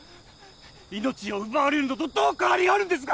命を奪われるのとどう変わりがあるんですか！